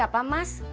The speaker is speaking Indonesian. cari siapa mas